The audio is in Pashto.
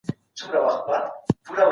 کرامت باید تل خوندي وساتل سي.